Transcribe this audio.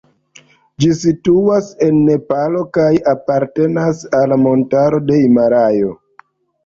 Ĝi situas en Nepalo kaj apartenas al la montaro de Himalajo.